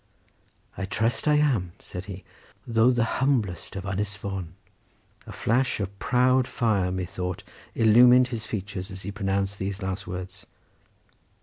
"I trust I am," said he; "though the humblest of Ynys Fon." A flash of proud fire, methought, illumined his features as he pronounced these last words.